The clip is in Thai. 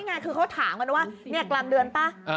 ไงคือเขาถามกันว่านี่กลางเดือนป่ะ